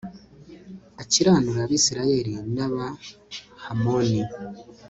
akiranure abayisraheli n'abahamoni